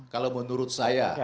kalau menurut saya